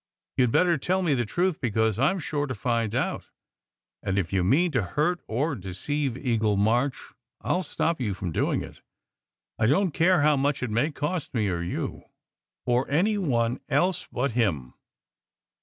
You d better tell me the truth, because I m sure to find out; and if you mean to hurt or deceive Eagle March I ll stop you from doing it, I don t care how much it may cost me or you, or any one else but him."